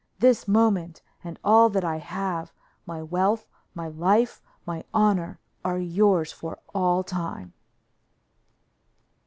this moment, and all that I have, my wealth, my life, my honor, are yours for all time."